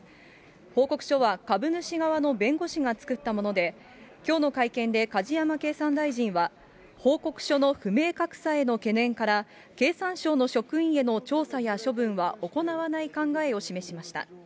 報告書は株主側の弁護士が作ったもので、きょうの会見で梶山経産大臣は、報告書の不明確さへの懸念から、経産省の職員への調査や処分は行わない考えを示しました。